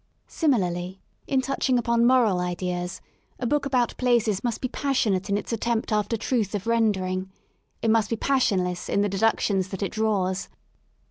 Similarly, in touching upon moral ideas, a book about places must be passionate in its attempt after truth of rendering; it must be passionless in the deduc tions that it draws.